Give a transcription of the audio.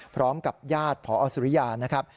พร้อมกับญาติพอสุริยานะครับ